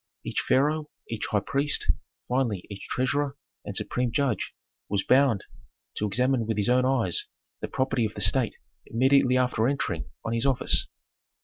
Each pharaoh, each high priest, finally each treasurer and supreme judge was bound to examine with his own eyes the property of the state immediately after entering on his office.